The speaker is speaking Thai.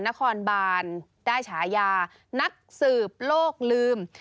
นครบานได้ฉายานักสืบโลกลืม